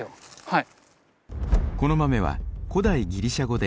はい。